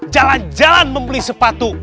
jalan jalan membeli sepatu